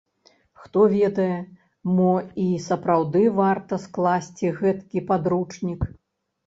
Хто ведае, мо і сапраўды варта скласці гэткі падручнік.